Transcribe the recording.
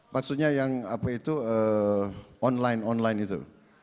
maksudnya yang apa itu online online itu